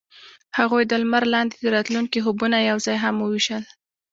هغوی د لمر لاندې د راتلونکي خوبونه یوځای هم وویشل.